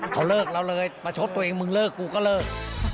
เขาเลิกเราเลยประชดตัวเองมึงเลิกกูก็เลิก